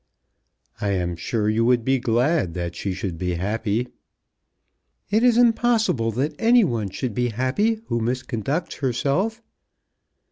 "I am sure you would be glad that she should be happy." "It is impossible that any one should be happy who misconducts herself."